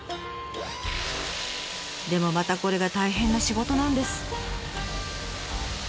でもまたこれが大変な仕事なんです。